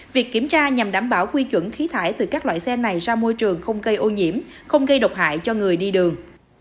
việc kiểm tra nhằm đảm bảo quy chuẩn khí thải từ các loại xe này ra môi trường không gây ô nhiễm không gây độc hại cho người đi đường